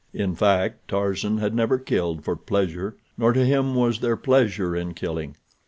In fact, Tarzan had never killed for "pleasure," nor to him was there pleasure in killing.